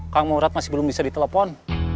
kang morat masih belum bisa ditelepon